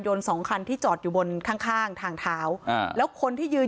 สองคันที่จอดอยู่บนข้างข้างทางเท้าอ่าแล้วคนที่ยืน